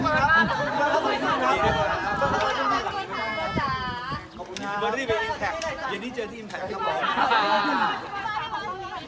ของไม่ได้จืดสร้างท่านจริงท่านเซอร์มีภาษาใดที่มึงหลาย